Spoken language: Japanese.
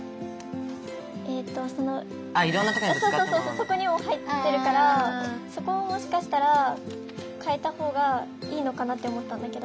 そうそうそうそこにも入ってるからそこをもしかしたらかえたほうがいいのかなって思ったんだけど。